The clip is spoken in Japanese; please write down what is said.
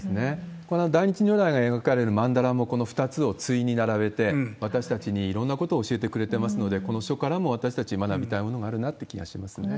この大日如来が描かれる曼荼羅も、この２つを対に並べて、私たちにいろんなことを教えてくれてますので、この書からも私たち、学びたいものがあるなって気がしますね。